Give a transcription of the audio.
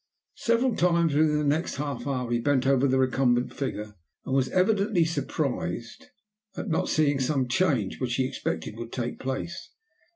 Several times within the next half hour he bent over the recumbent figure, and was evidently surprised at not seeing some change which he expected would take place.